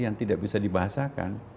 yang tidak bisa dibahasakan